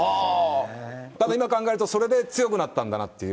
ただ今、考えると、それで強くなったんだなっていう。